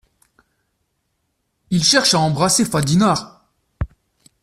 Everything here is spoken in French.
Il cherche à embrasser Fadinard.